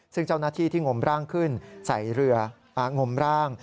ซึ่งเจ้าหน้าที่ที่งมร่างขึ้นใส่เรืองมร่าง